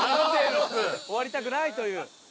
終わりたくないという。